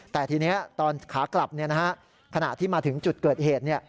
แต่ทีนี้ตอนขากลับขณะที่มาถึงจุดเกิดเหตุ